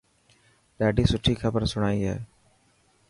ڏاڌي سٺي کبر سڻائي هي.